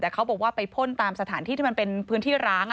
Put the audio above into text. แต่เขาบอกว่าไปพ่นตามสถานที่ที่มันเป็นพื้นที่ร้าง